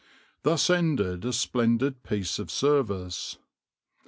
Thus ended a splendid piece of service.